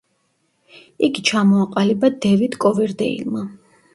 იგი ჩამოაყალიბა დევიდ კოვერდეილმა.